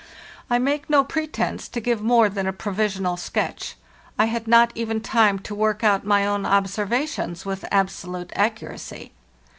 I make no pre tence to give more than a provisional sketch; I had not even time to work out my own observations with abso lute accuracy.